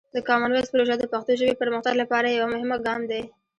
د کامن وایس پروژه د پښتو ژبې پرمختګ لپاره یوه مهمه ګام دی.